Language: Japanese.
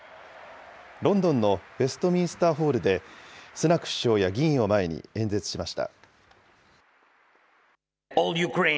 ロンドンのウェストミンスターホールでスナク首相や議員を前に演説しました。